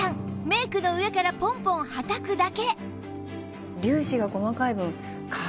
メイクの上からポンポンはたくだけ